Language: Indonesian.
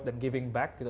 dan giving back gitu